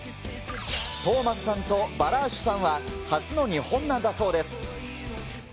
トーマスさんとバラーシュさんは、初の日本なんだそうです。